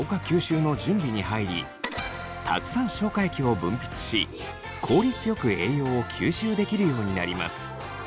吸収の準備に入りたくさん消化液を分泌し効率よく栄養を吸収できるようになります。